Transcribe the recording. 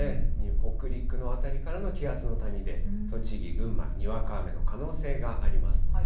北陸の辺りからの気圧の谷で、栃木、群馬、にわか雨の可能性があります。